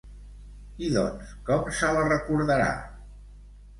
I doncs com se la recordarà?